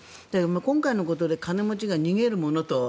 今回のことで金持ちが逃げるものと。